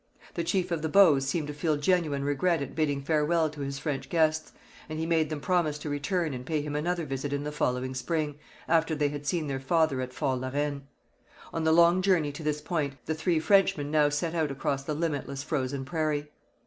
The chief of the Bows seemed to feel genuine regret at bidding farewell to his French guests, and he made them promise to return and pay him another visit in the following spring, after they had seen their father at Fort La Reine. On the long journey to this point the three Frenchmen now set out across the limitless frozen prairie.